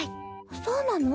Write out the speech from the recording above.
そうなの？